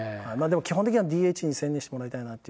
基本的にはＤＨに専念してもらいたいなっていう。